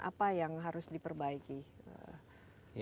apa yang harus diperbaiki